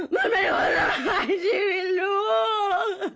มันเป็นคนร้ายชีวิตลูก